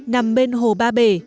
nằm bên hồ ba bể